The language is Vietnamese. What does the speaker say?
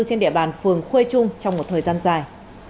trên địa bàn phường khuê trung trong một thời gian dài